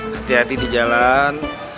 hati hati di jalan